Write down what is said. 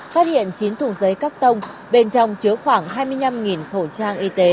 phát hiện chín thùng giấy cắt tông bên trong chứa khoảng hai mươi năm khẩu trang y tế